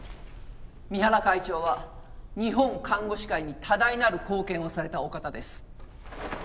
三原会長は日本看護師界に多大なる貢献をされたお方です。